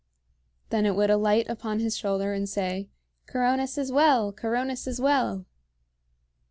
Then it would alight upon his shoulder and say, "Coronis is well! Coronis is well!"